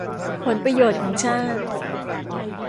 ผลประโยชน์ของชาติ